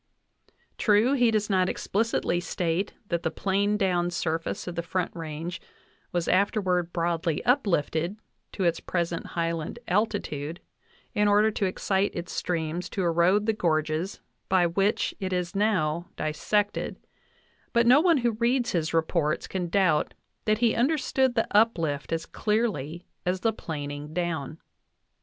True, he does not explicitly state that the planed down surface of the Front Range was after ward broadly uplifted to its present highland altitude in order to excite its streams to erode the gorges by which it is now dis sected ; but no one who reads his reports can doubt that he understood the uplift as clearly as the planing down.